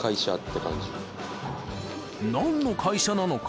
［何の会社なのか？］